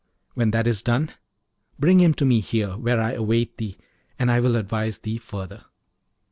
When that is done, bring him to me here, where I await thee, and I will advise thee further.'